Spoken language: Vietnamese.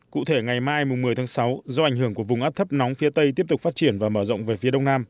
cụ thể ngày mai một mươi tháng sáu do ảnh hưởng của vùng áp thấp nóng phía tây tiếp tục phát triển và mở rộng về phía đông nam